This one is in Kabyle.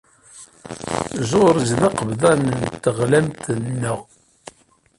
George d aqebḍan n teɣlamt-nneɣ.